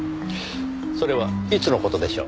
それはいつの事でしょう？